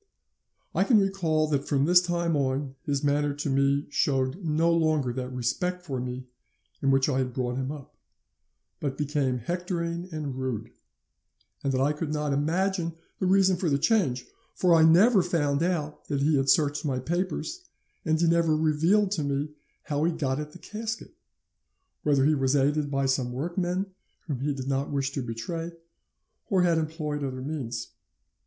"'I can recall that from this time on, his manner to me showed no longer that respect for me in which I had brought him up, but became hectoring and rude, and that I could not imagine the reason of the change, for I never found out that he had searched my papers, and he never revealed to me how he got at the casket, whether he was aided by some workmen whom he did not wish to betray, or had employed other means.